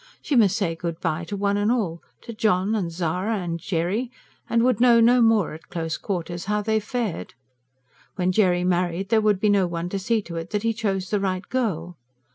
She must say good bye to one and to all to John, and Zara, and Jerry and would know no more, at close quarters, how they fared. When Jerry married there would be no one to see to it that he chose the right girl.